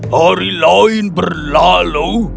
hari lain berlalu